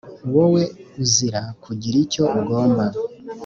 wowe uzira kugira icyo ugomba